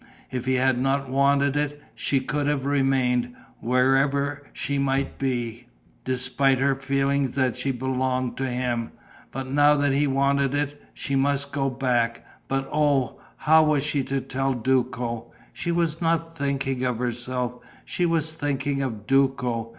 If he had not wanted it, she could have remained, wherever she might be, despite her feeling that she belonged to him. But now that he wanted it, she must go back. But oh, how was she to tell Duco? She was not thinking of herself, she was thinking of Duco.